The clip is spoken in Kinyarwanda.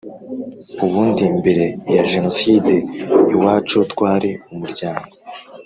ubundi mbere ya genocide iwacu twari umuryango